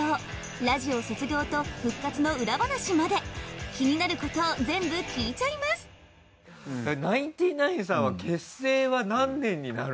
ラジオ卒業と復活の裏話まで気になることを全部聞いちゃいますうわっ。